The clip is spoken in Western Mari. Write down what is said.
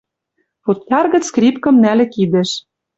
Футляр гӹц скрипкым нӓльӹ кидӹш